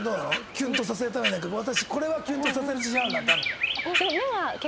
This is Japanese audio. キュンとさせるために私これはキュンとさせる自信あるなってあるの？